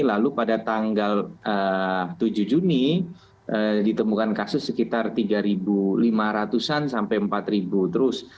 lalu pada tanggal tujuh juni ditemukan kasus sekitar tiga lima ratus an sampai empat terus